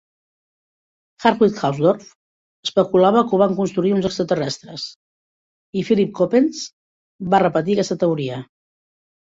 Hartwig Hausdorf especulava que ho van construir uns extraterrestres i Philip Coppens va repetir aquesta teoria.